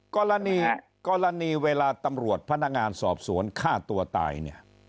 กรณีกรณีเวลาตำรวจพนักงานสอบสวนฆ่าตัวตายเนี่ย